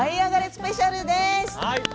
スペシャルです。